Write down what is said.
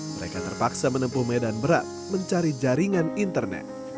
mereka terpaksa menempuh medan berat mencari jaringan internet